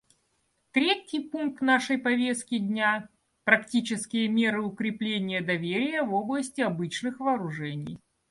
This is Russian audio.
Третий пункт нашей повестки дня — «Практические меры укрепления доверия в области обычных вооружений».